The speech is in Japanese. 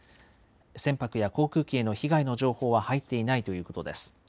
船舶や航空機への被害の情報は入っていないということです。